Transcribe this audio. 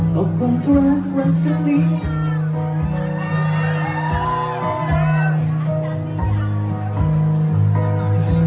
ตกว่าเธอรักรักฉันหรือยัง